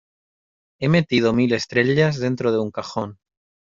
He metido mil estrellas dentro de un cajón.